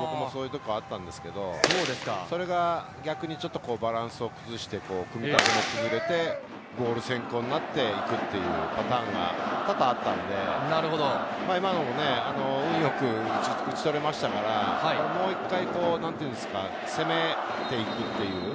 僕もそういうところがあったんですけれど、それが逆にちょっとバランスを崩して、ボール先行になっていくっていうパターンが多々あったので、今、運よく打ち取れましたから、もう一回攻めていくっていう。